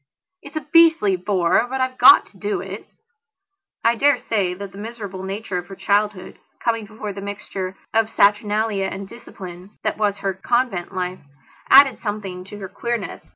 It's a beastly bore, but I've got to do it." I dare say that the miserable nature of her childhood, coming before the mixture of saturnalia and discipline that was her convent life, added something to her queernesses.